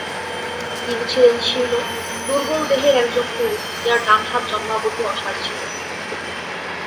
তিনি ছিলেন শীর্ণ, দুর্বলদেহের একজন তরুণ যার ডানহাত জন্মাবধি অসাড় ছিলো।